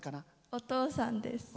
お父さんです。